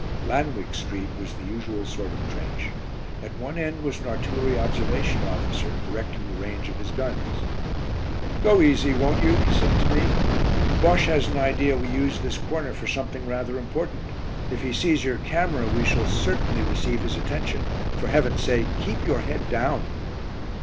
"Lanwick Street" was the usual sort of trench. At one end was an artillery observation officer, correcting the range of his guns. "Go easy, won't you?" he said to me. "Bosche has an idea we use this corner for something rather important. If he sees your camera we shall certainly receive his attention. For Heaven's sake, keep your head down."